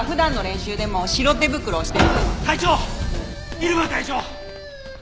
入間隊長！